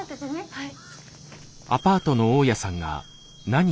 はい。